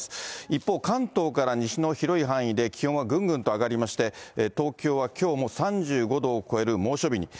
一方、関東から西の広い範囲で気温がぐんぐんと上がりまして、東京はきょうも３５度を超える猛暑日に。